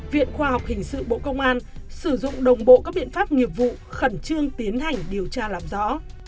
viện khoa học hình sự bộ công an sử dụng đồng bộ các biện pháp nghiệp vụ khẩn trương tiến hành điều tra làm rõ